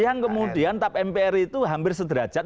yang kemudian tap mpr itu hampir sederajat